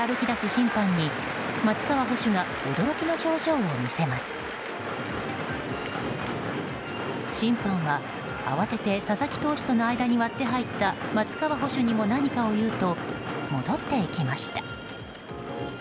審判は慌てて佐々木投手との間に割って入った松川捕手にも何かを言うと戻っていきました。